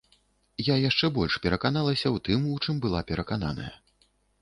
Я яшчэ больш пераканалася ў тым, у чым была перакананая.